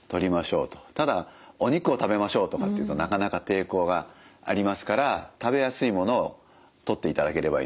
ただ「お肉を食べましょう」とかって言うとなかなか抵抗がありますから食べやすいものをとっていただければいいので。